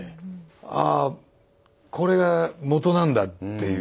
ああこれがもとなんだっていう。